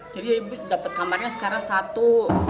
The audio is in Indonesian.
jadi dapet kamarnya sekarang satu